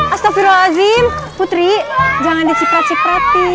astagfirullahaladzim putri jangan diciprat ciprati